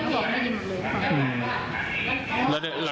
ก็คิดว่าเกิดอะไรขึ้น